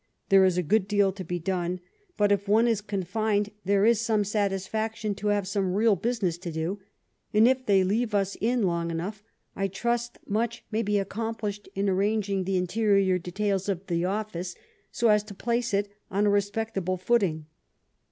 There is a good deal to be done, but, if one is confined, there is some satisfaction to have some real business to do ; and if they leave us in long enough, I trust much may be accomplished in ar ranging the interior details of the office, so as to place it on a respect able footing.